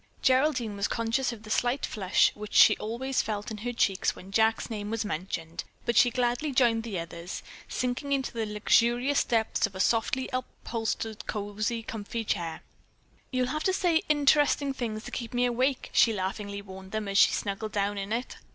Geraldine was conscious of the slight flush which she always felt in her cheeks when Jack's name was mentioned, but she gladly joined the others, sinking into the luxurious depths of a softly upholstered cosy comfort chair. "You'll have to say interesting things to keep me awake," she laughingly warned them as she snuggled down in it.